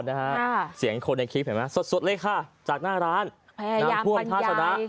นี่คือในร้านค่ะ